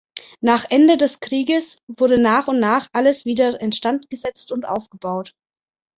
Nach Ende des Krieges wurde nach und nach alles wieder instand gesetzt und aufgebaut.